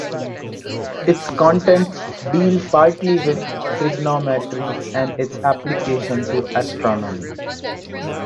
Its contents deal partly with trigonometry and its applications to astronomy.